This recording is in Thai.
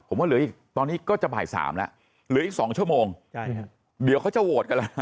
ผมว่าเหลืออีกตอนนี้ก็จะบ่าย๓แล้วเหลืออีก๒ชั่วโมงเดี๋ยวเขาจะโหวตกันแล้ว